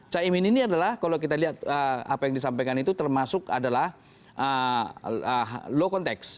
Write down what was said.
caimin ini adalah kalau kita lihat apa yang disampaikan itu termasuk adalah low context